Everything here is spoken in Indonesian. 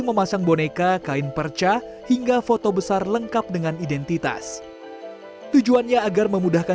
memasang boneka kain perca hingga foto besar lengkap dengan identitas tujuannya agar memudahkan